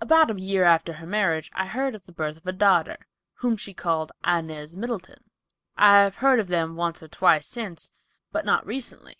"About a year after her marriage I heard of the birth of a daughter, whom she called Inez Middleton. I have heard of them once or twice since, but not recently."